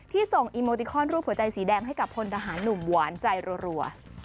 ส่งอีโมติคอนรูปหัวใจสีแดงให้กับพลทหารหนุ่มหวานใจรัว